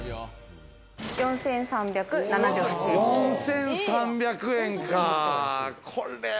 ４３００円かぁ。